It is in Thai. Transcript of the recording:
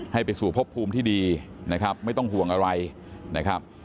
ให้ไปสู่พบภูมิที่ดีนะครับไม่ต้องห่วงอะไรนะครับ